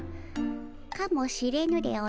かもしれぬでおじゃる。